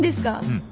うん。